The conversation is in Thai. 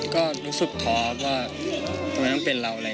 ก็รู้สึกท้อว่าทำไมต้องเป็นเราอะไร